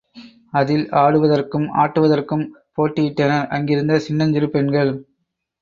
அதில் ஆடுவதற்கும் ஆட்டுவதற்கும் போட்டியிட்டனர் அங்கிருந்த சின்னஞ்சிறு பெண்கள்.